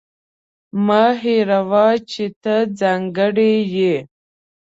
مه هېروه چې ته ځانګړې یې.